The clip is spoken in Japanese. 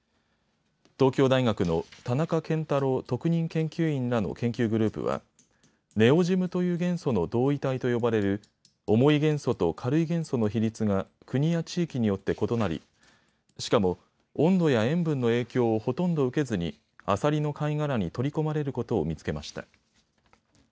東京大学の田中健太郎特任研究員らの研究グループはネオジムという元素の同位体と呼ばれる重い元素と軽い元素の比率が国や地域によって異なりしかも温度や塩分の影響をほとんど受けずにアサリの貝殻に取り込まれることを見つけました。